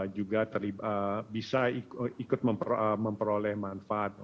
juga bisa ikut memperoleh manfaat